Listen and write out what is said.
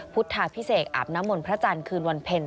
พุทธาพิเศษอาบน้ำมนต์พระจันทร์คืนวันเพ็ญ